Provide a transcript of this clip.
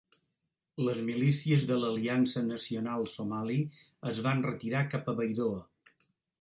Les milícies de l'Aliança Nacional Somali es van retirar cap a Baidoa.